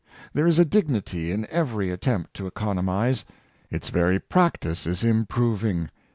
There is a dignity in every attempt to economize. Its very practice is improving.